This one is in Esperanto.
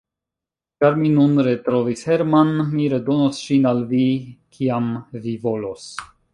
Ĉar mi nun retrovis Hermann, mi redonos ŝin al vi, kiam vi volos.